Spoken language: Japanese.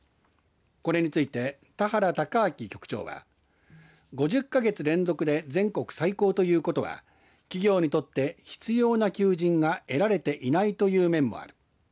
これについて田原孝明局長は５０か月連続で全国最高ということは企業にとって必要な求人が得られていないという面もある。